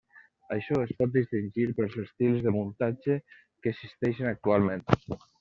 Això es pot distingir pels estils de muntatge que existeixen actualment.